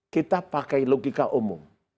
kita pakai logika umum